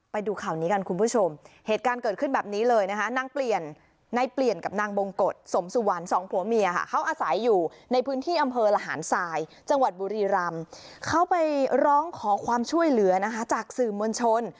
ไปดูข่าวนี้กันคุณผู้ชมเหตุการณ์เกิดขึ้นแบบนี้เลยนะคะนางเปลี่ยนในเปลี่ยนกับนางบงกฎสมสุวรรณสองผัวเมียค่ะเขาอาศัยอยู่ในพื้นที่อำเภอระหารทรายจังหวัดบุรีรำเขาไปร้องขอความช่วยเหลือนะคะจากสื่อมวลชน